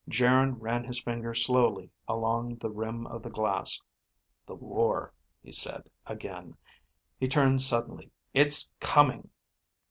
Geryn ran his finger slowly along the rim of the glass. "The war," he said again. He turned suddenly. "It's coming!"